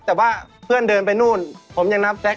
หมายเลข๑ครับหมายเลข๑